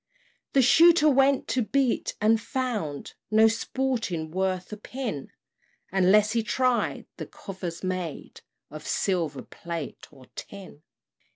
The Shooter went to beat, and found No sporting worth a pin, Unless he tried the covers made Of silver, plate, or tin.